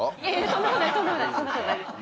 そんなことないです。